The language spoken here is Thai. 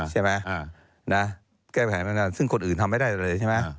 ใช่ไหมแก้แผนมานานซึ่งคนอื่นทำไม่ได้เลยใช่ไหม